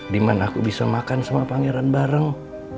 dimana aku bisa makan sama pangeran bareng